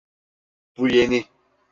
Bu yeni.